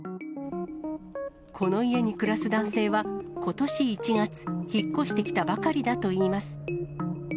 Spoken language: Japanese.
この家に暮らす男性はことし１月、引っ越してきたばかりだといいます。